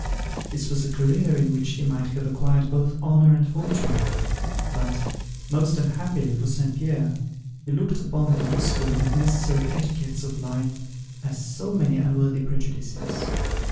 This was a career in which he might have acquired both honour and fortune; but, most unhappily for St. Pierre, he looked upon the useful and necessary etiquettes of life as so many unworthy prejudices.